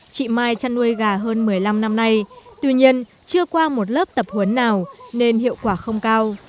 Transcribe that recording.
chị mai chăn nuôi gà hơn một mươi năm năm nay tuy nhiên chưa qua một lớp tập huấn nào nên hiệu quả không cao